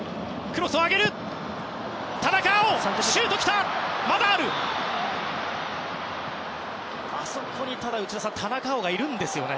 ただ内田さん、あそこに田中碧がいるんですよね。